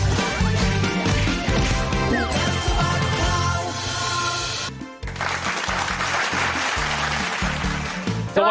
คู่กับสมัครข่าว